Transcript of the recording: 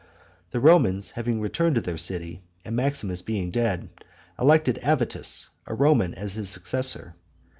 The Romans, having returned to their city, and Maximus being dead, elected Avitus, a Roman, as his successor.